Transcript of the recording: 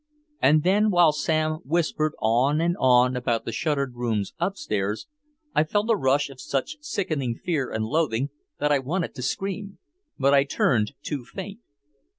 And then while Sam whispered on and on about the shuttered rooms upstairs, I felt a rush of such sickening fear and loathing that I wanted to scream but I turned too faint.